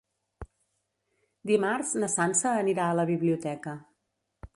Dimarts na Sança anirà a la biblioteca.